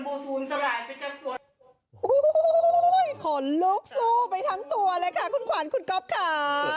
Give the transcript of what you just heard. โอ้โหขนลุกสู้ไปทั้งตัวเลยค่ะคุณขวัญคุณก๊อฟค่ะ